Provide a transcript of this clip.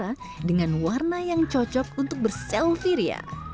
yang memiliki warna yang cocok untuk berselfie